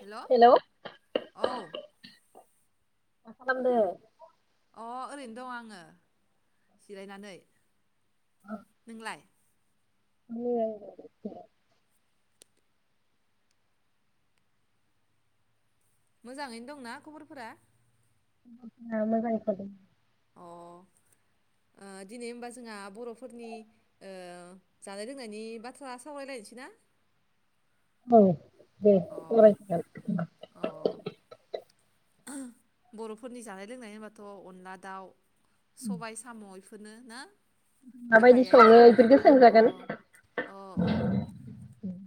हेल' hello मा औ मा खालामदो? अ ओरैनो दं आङो सिरायनानै। नोंलाय? [unintelligible] मोजाङैनो दंना खबरफोरा? [unintelligible] अ ओ दिनै होमबा जोंहा बर'फोरनि ओ जानाय लोंनायनि बाथ्रा सावरायलायनोसै ना? अ औ अ [unintelligible] बर'फोरनि जानाय लोंनाय होनबाथ' अनला दाउ सबाइ साम' [unintelligible] ना? माबायदि गाहाइया सङो इफोरनो इफोरखौ आरो सोंजागोन अ अ अ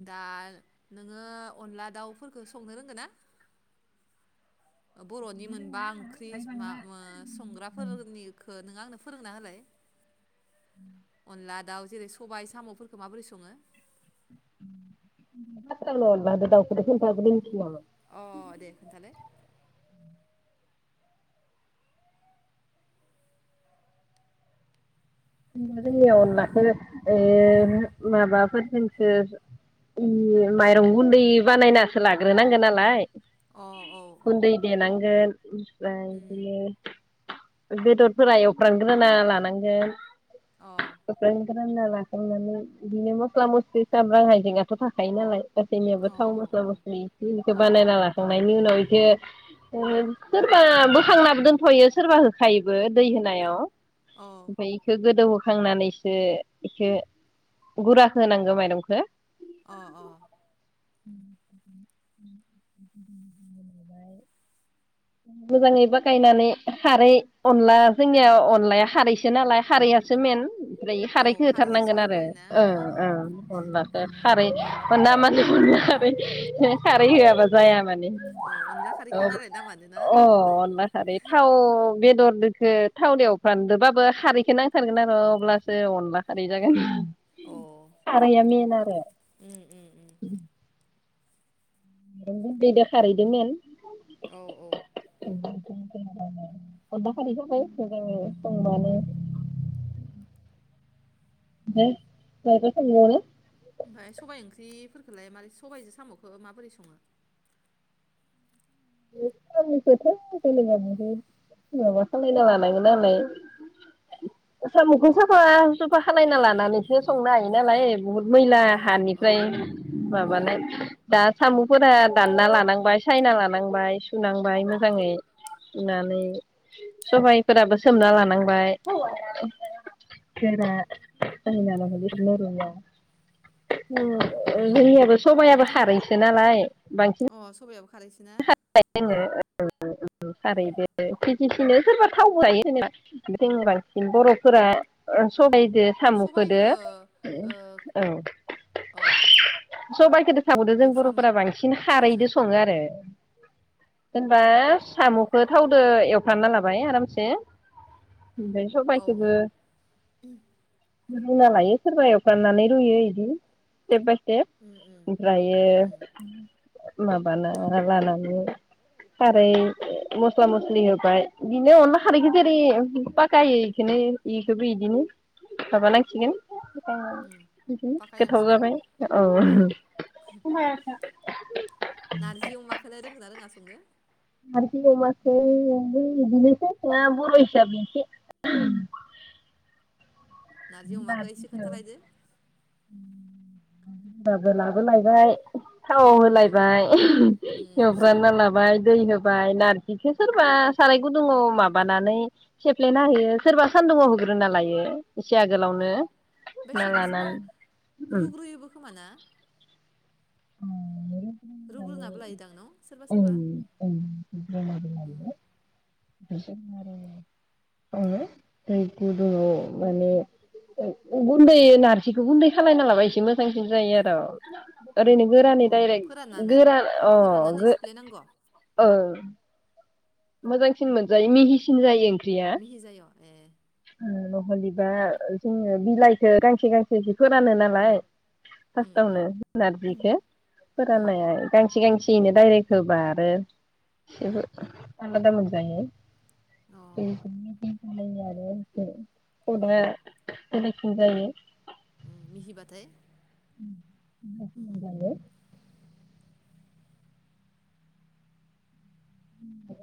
दा नोङो अनला दाउफोरखौ संनो रोंगोन ना? बर'नि मोनबा ओंख्रि मा ओ संग्राफोरनिखौ नों आंनो फोरोंना होलाय अनला दाउ जेरै सबाय साम'फोरखौ माबोरै सङो? फास्तआवनो अनलाजों दाउखौ खोनथाग्रोसै नामा? अ दे खोन्थालाय जोंनियाव अनलाखौ ओ माबाफोरजोंसो उम माइरं गुन्दै बानायनासो लाग्रोनांगोन नालाय। अ औ औ गुन्दै देनांगोन। उम ओ उम बेदिनो बेदरफोरा एवफ्रामग्रोना लानांगोन। अ [unintelligible] रानना लाखांनानै बिदिनो मस्ला मस्लि साम्रां हाइजेंआथ' थाखायो नालाय। गासैनियाबो औ थाव औ मस्ला औ मस्लि इखिनिखो अ बानायना लाखांनायनि उनाव [unintelligible] सोरबा बोखांनाबो दोनफैयो सोरबा होखायोबो दै होनायाव। औ। ओमफ्राय इखो गोदौहोखांनानैसो इखो गुरा होनांगौ माइरंखौ। अ-अ। [inaudible] मोजांङै बा गायनानै खारै अनला जोंनिया अनलाया खारैसो नालाय खारैयासो मेन। दायो औ खारैखो खारैजोंसो होथारनांगोन गोथाव आरो जायोना अ ओ-ओ अनलाखो। खारै मोना माने। अनला खारै [unintelligible] खारै होयाबा जाया मान अ अनला खारैखा नालाय दामानो औ। ना अ अनला खारै थाव। बेदरदोखो थावजों एवफ्रामदोंबाबो खारैखौ नांथारगोन आरो अब्लासो अनला खारै जागोन। अ खारैआ मेन आरो। उम उम उम अन गुन्दै जों खारैजों मेन। उम। औ औ [unintelligible] अनखारै होबाय जोङो संबानो। ओमफाय मायोबा सोंबावनो? ओमफाय सबाइ ओंख्रिफोरखौलाय मारै सबायजों सामखौ माबोरै संङो? सामखौथ जेनेबा बेहाय माबा खालायना लानांगोन नालाय सामखौ साफा सुफा खालायना लानानैसो संनो हायो नालाय। बुहुद मैला औ औ हानिफ्राय उम माबानाय दा। सामफोरा दानना लानांबाय सायना लानां बाइस। सुनांबाय उम उम मोजांङै सुनानै। सबायफोराबो सोमना लानांबाय [unintelligible] जोंनियाबो। सबायाबो खारैसो नालाय बांसिन। अ सबायाबो खारैसोना? [unintelligible] जोंङो। अ खारै दो खै बिखिनो सोरबा थावबो हायो होनबा जों बांसिन बर'फोरा। ओ अ सबायदो सामखोदो सबायखौ ओ औ। औ सबायखोदो। थाबोद जों एवफ्रामो बरफोरा बांसिन थावजो खारैजों संङो आरो। होनबा। अ सामखो थावदो एवफ्रामना लाबाय आरामसे। ओमफ्राय औ औ सबाइखौबो। रुना लायो सोरबा एवफ्रानानै रुयो इदि जे [unintelligible] उम उम ओमफ्रायो उम उम माबाना लानानै खारै मस्ला मस्लि होबाय बिदिनो अनला खारैखो जेरै पाखायो एखौनो एखौबो इदिनो माबानांसिगोन ओ उम बिदिनो गोथाव बाखायनांसिगोन जाबाय अ औ नारजि अमाखौलाय [unintelligible] [unintelligible] नारजि अमाखौ आंबो बिदिनोसै बर' हिसाब एसे नारजि अमाखौ एसे नारजिखौ खोन्थालायदो [inaudible] बाबो लाबोलायबाय थाव औ होलायबाय उम अ एवफ्रामना लाबाय दै होबाय नारजिखो सोरबा साराय गुदुंङाव माबानानै सेफ्लेना होयो सोरबा सानदुंङाव होग्रोना लायो एसे आगोलावनो ओमफ्राय सुना सोरबा सोरबा लानानै उम रुग्रोयोबो खोमा ना [unintelligible] माने रुग्रोनाबो लायोदां न' उम सोरबा सोरबा उम [unintelligible] उम ओ दै गुदु माने गुन्दै नारजिखौ गुन्दै खालायना लाबा एसे मोजांसिन जायो आरो ओरैनो गोरानै अ डाइरेक्ट फोराननानै गोरान अ फोराननानै गो सिफ्लेनांगौ औ मोजांसिन मोनजायो मिहिसिन जायो ओं मिहि जाय' ए ओ [unintelligible] दा जोंङो बिलाइखौ गांसे गांसेसो फोरानो नालाय उम फास्थावनो उम नारजिखौ उम फोराननाया गांसे गांसे एनो डाइरेक्ट होबा आरो जेबो आलादा मोनजायो अ अ [unintelligible] [unintelligible] आरो उम खदा बेलेगसिन जायो मिहिबथाय उम [unintelligible] मोनजायो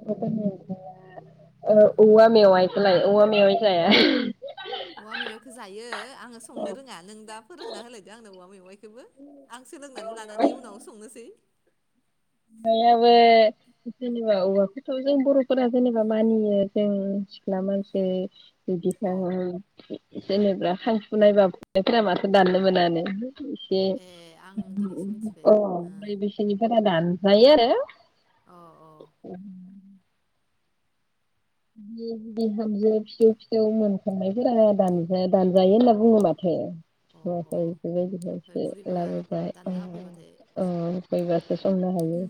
बर' फोरनि ओंख्रिआ ओ औवा मेवाइखौलाय औवा मेवाइ जाया औवा मेवाइखौ जायो आंङो संनो रोंङा नों दा फोरोंना होलायदो आंनो औवा मेवाइखौबो आं सोलोंनानै लानानै उनाव संनोसै बयाबो जेनेबा औवाखौथ' जों बर'फोरा जेनेबा मानियो जों सिख्ला मानसि [unintelligible] औ जेनेबा खांफुनाय बा फुनायफोरा माथो दाननो मोनानो। एसे ए आं दिनैसो मिथिबाय अ बै बैसेनिफोरा दान जायो आरो अ औ बि-बिहामजो फिसौ फिसौ मोनखांनायफोरा दानजा दानजायो होनना बुङो माथो। [unintelligible] अ ओमफ्राय बेफोरबायदिहाय सो बुरैफोरा लाबोबाय अ दानना होफैबाथाय होफैबासो संनो हायो।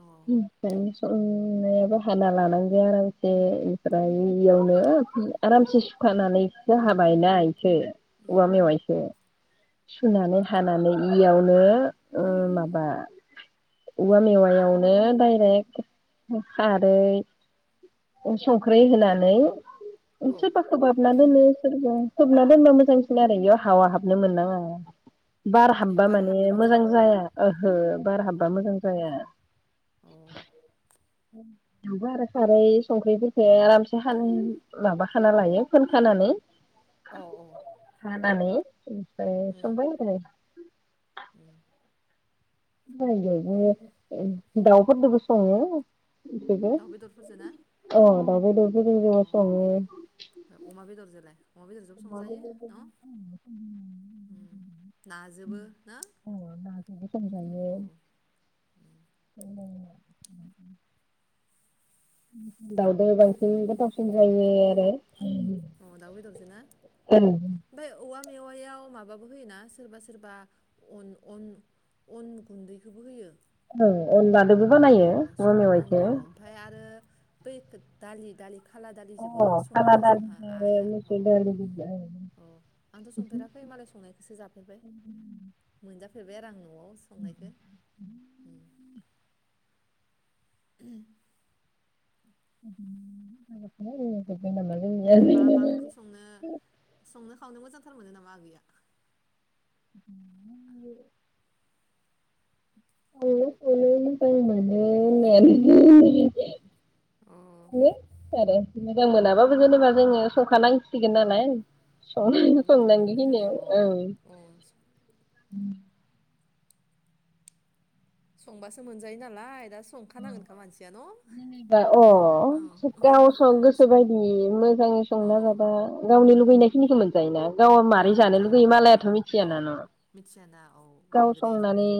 अ [unintelligible] ए ओमफ्राय इयावनो आरामसे सुखानानैसो हाबायलाय सो उम औवा मेवायसो सुनानै हानानै सुनानै इयावनो ओ माबा औवा मेवायावनो डाइरेक्ट खारै संख्रि होनानै औ सोरबा खोबाबना दोनो सोरबा खोबना दोनबा मोजांसिन आरो बेयाव हावा हाबनो मोननाङा बार हाबबा बारा माने हाबनो मोजां मोननाङा जाया ओहो बार अ हाब्बा मोजां जाया। अ इवबो आरो खारै संख्रिफोरखो आरामसे खानानै माबाखाना लायो फोनखानानै अ अ हान मानि ओ उम संबाय आरो उम सबायजोंबो दाउफोरदोबो स'ङो। दाउ बेदरफोरजों ना अ, दाव बेदर फोरजों अ बो सङो। ओमफ्राय अमा बेदरजोंलाय अमा [unintelligible] बेदरजोंबो अ, संजायो न' उम नाजोबो ना नाजोबो संजायो। औ [inaudible] दावदो बांसिन गोथावसिन जायो आरो। अ, दाउ बेदरजो ना ओं ओमफाय औवा मेवायाव माबाबो होयोना सोरबा सोरबा अन अन अन गुन्दैखोबो होयो। औ अन बान अ सोरबा, अन अ ओमफाय आरो बै दालि दालि खाला दालिजोबो अ सङो खाला जोंहा दालिजों आइआ। अ मुसुर दालिजों अ आंथ' संफेराखै मालाय संनायखोसो जाफेरबाय मोनजा फेरबाय आरो आं। न'आव संनायखो उम। [inaudible] [unintelligible] ओमफाय मा मा जोंनिया ओंख्रि सङो संनो खावनो मोजांथार मोनो नामा आगैया? [inaudible] संनो खावनो मोजां मोनो होननायानो अ [inaudible] हेलौ खोनादों। [unintelligible] मोजां मोनाबाबो अ जेनेबा जोङो संखानां सिगोन नालाय। औ संनांगौ मावखानांगोन नालाय खिनियाव औ ओं [inaudible] अ संबासो मोनजायो नालाय दा। संखानांगोनखा मानसिया न' जेनेबा अ गावसो गोसो बायदि मोजाङै। औ संना अ जाबा गावनो उम लुगैनाय उम खिनिखौ मोनजायोना गाव अ मारै जानो मोनजायो लुगैयो अ मालायाथ' औ मिथियाना न'। [unintelligible] गाव नोंगो दे संनानै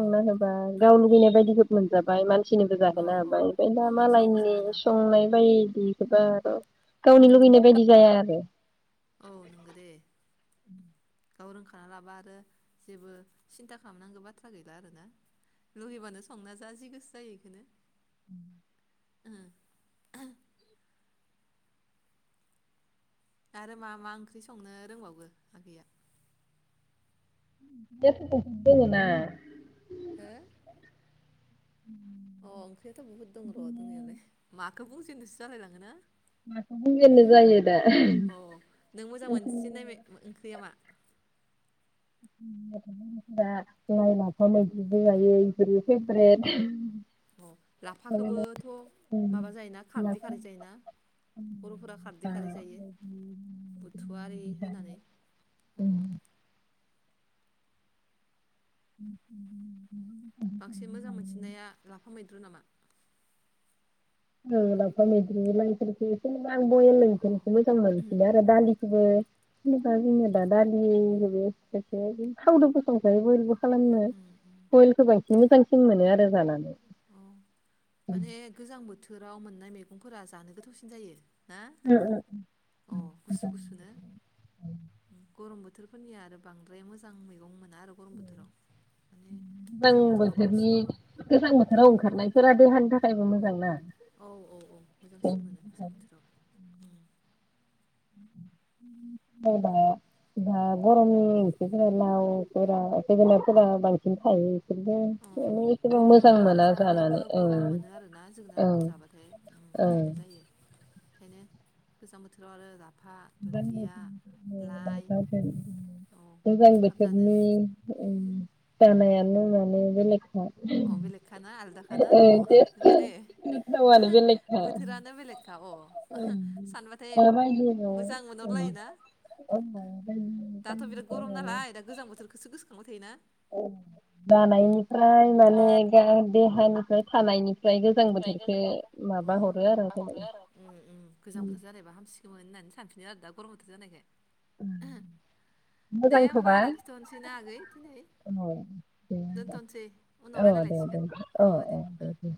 अ होबा गाव लुगैनाय बायदिखौ मोनजाबाय। मानसिनिबो औ जाहोनो औ हाबाय ओमफ्राय अ दा मानसिनोबो मालायनि जाहोनो हाबाय अ संनाय बायदि जोबा आरो गावनो लुबैनाय बायदि जाया आरो। औ नोंगो दे गाव रोंखाना लाबा आरो जेबो सिन्था खालामनांगौ बाथ्रा गैला आरोना लुगैबानो संना जा जि गोसो जायो बेखौनो ओं। आरो मा मा ओंख्रि संनो रोंबावो आगैया? [unintelligible] जायोना हो। अ ओंख्रियाथ' बहुत दं र' दंनायालाय मा खौ बुंजेननोसो जालाय लाङोना माखौ बुजेननो जायो दा। अ नों मोजां मोनसिननाय [unintelligible] ओंख्रिया मा लाइ लाफा मैद्रुबो जायो इफोरो फेब्रेड। अ लाफाखौबोथ' माबा जायोना खारदै खारै लाफा जायोना बर'फोरा खारदै खारै जायो बुथुवा आरि होनानै औ। [unintelligible] बांसिन मोजां मोनसिननाया लाफा मैद्रु नामा? ओं लाफा मुद्रु लाइफोरखौ इसे आं बयेल अ ओंख्रि खौ मोजां मोनसिनो आरो दालि गासैबो मोनसिनो जोंना दा दालिखौ बो थावदोबो संजायो खालामनो बयेल खो बांसिन। मोजांसिन मोनो आरो जानानै। अ माने गोजां बोथोर बोथोराव मोननाय मैगंफोरा जानो गोथावसिन जायो। ना अ गुसु गुसुनो गरम बोथोरफोरनिया आरो बांद्राय मोजां मैगं मोन मोना आरो गरम बोथोराव माने गोजां बोथोराव बांसिन थोराव ओंखारनायफोरा देहानि थाखायबो मोजां ना। औ औ औ मोजांसिन मोनो गोजां बोथोराव। उम दा दा गरमनि ओंख्रैफोरा लावफोरा जोगोनारफोरा बांसिन थायो। बेफोरबो अ माने एसेबां गरम मोजां आरो मोना जानानैबो जानानै ओं गरम मोनो आरोना ओं जोगोनारफोरखौ जाबाथाय ओं बिदिनो जायो ओंखायनो गोजां बोथोराव आरो रा अ मोजां ओंखाम जानो बोथोरनि ओ जानायानो माने बेलेग अ बेलेकखाना आलदाखाना अ टेस्ट नोंगो दे गोथावानो बेलेगखा बोथोरानो बेलेगखा अ। सानबाथाय मोजां मोनहरलायोना [unintelligible] गोसखांबाय थायोना। औ जानायनिफ्राय माने देहानिफ्राय थानायनि [unintelligible] आरो जेनेबा गोजां बोथोर जालायबा हामसिगोमोन होननानै सानफिनो आरो दा। गरम बोथोर जानायखाय। दे होमबा मोजांथ'बा लाखिथ'नोसै ना आगै दिनै औ दोनथ'सै उनाव दे होमबा औ दे दे रायलायलायसिगोन अ औ दे ओ। दे